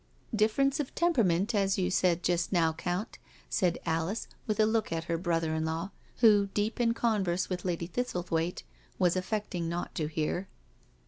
*' Difference of temperament, as you said jusf now. Count," said Alice with a look at her brother in law, who, deep in converse with Lady Thistlethwaite, was affecting not to hear.